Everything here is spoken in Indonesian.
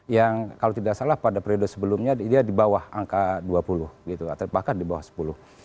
yang kalau tidak salah pada periode sebelumnya dia di bawah angka dua puluh gitu atau bahkan di bawah sepuluh